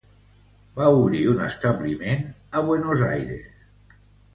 Va obrir un establiment a Buenos Aires.